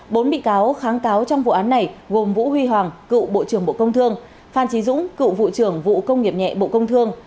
bốn bị cáo kháng cáo trong vụ án này gồm vũ huy hoàng cựu bộ trưởng bộ công thương phan trí dũng cựu vụ trưởng vụ công nghiệp nhẹ bộ công thương